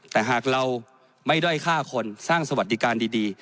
แต่หากเราไม่ด้อยฆ่าคนสร้างสวัสดิการดี